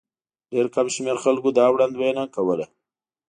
ډېر کم شمېر خلکو دا وړاندوینه کوله.